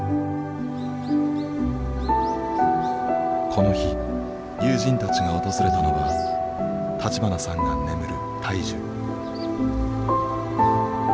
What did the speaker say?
この日友人たちが訪れたのは立花さんが眠る大樹。